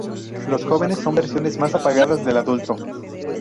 Los jóvenes son versiones más apagadas del adulto.